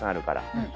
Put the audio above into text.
うん。